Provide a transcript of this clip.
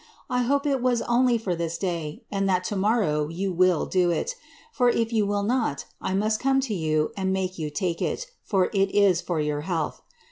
I hope it was onlie fbr this day, and that to now yon will do it ; ibr if yon will not, I most come to you and make you at it, ibr it is for your health.